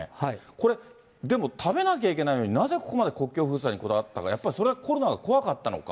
これ、でも食べなきゃいけないのに、なぜここまで国境封鎖にこだわったか、やっぱりそれはコロナが怖かったのか。